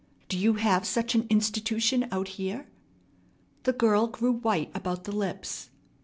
"Do you have such an institution out here?" The girl grew white about the lips.